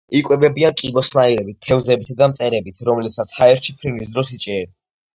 იკვებებიან კიბოსნაირებით, თევზებითა და მწერებით, რომლებსაც ჰაერში ფრენის დროს იჭერენ.